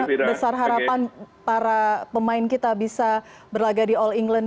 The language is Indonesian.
seberapa besar harapan para pemain kita bisa berlaga di all england